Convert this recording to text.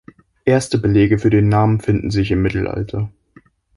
Erste Belege für den Namen finden sich im Mittelalter.